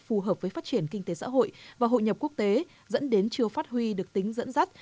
phù hợp với phát triển kinh tế xã hội và hội nhập quốc tế dẫn đến chưa phát huy được tính dẫn dắt